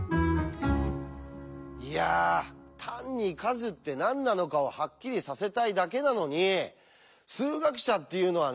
いや単に「数」って何なのかをハッキリさせたいだけなのに数学者っていうのはね